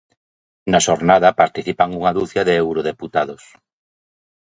Na xornada participan unha ducia de eurodeputados.